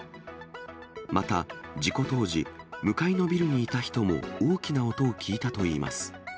また、事故当時、向かいのビルにいた人も大きな音を聞いたといいます。